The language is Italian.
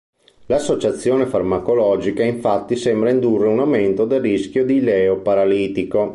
L'associazione farmacologica infatti sembra indurre un aumento del rischio di ileo paralitico.